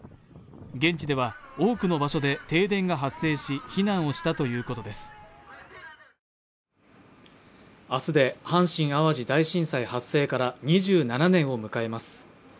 現地では多くの場所で停電が発生し、避難をしたということです明日で阪神・淡路大震災発生から２７年を迎えます。